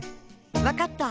わかった。